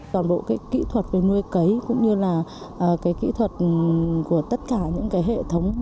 toàn bộ cái kỹ thuật về nuôi cấy cũng như là cái kỹ thuật của tất cả những cái hệ thống